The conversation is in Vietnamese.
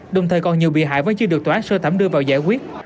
đồng thời còn nhiều bị hại vẫn chưa được tòa án sơ thẩm đưa vào giải quyết